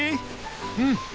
うん。